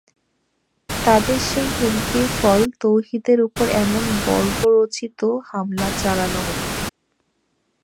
তাদের সেই হুমকির ফলে তৌহিদের ওপর এমন বর্বরোচিত হামলা চালানো হলো।